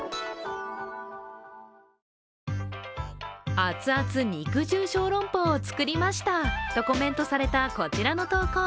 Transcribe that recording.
熱々肉汁小籠包を作りましたとコメントされたこちらの投稿。